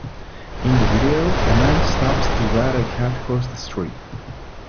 In the video, a man stops to let a cat cross the street.